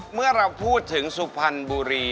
เมื่อเราพูดถึงสุพรรณบุรี